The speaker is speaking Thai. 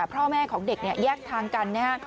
พ่อแม่ของเด็กแยกทางกัน